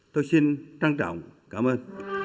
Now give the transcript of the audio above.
tôi xin trang trọng cảm ơn